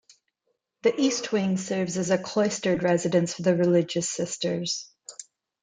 The east wing serves as a cloistered residence for the religious sisters.